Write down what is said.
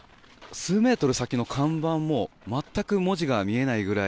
数メートル先の看板も全く文字が見えないぐらい